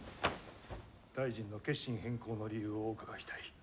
大臣の決心変更の理由をお伺いしたい。